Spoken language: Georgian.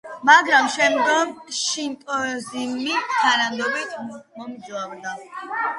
მაგრამ შემდგომ შინტოიზმი თანდათანობით მომძლავრდა.